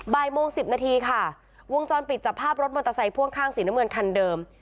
บ่ายโมง๑๐นาทีค่ะวงจรปิดจับภาพรถมอเตอร์ไซค์พ่วงข้างสีน้ำเงินคันเดิม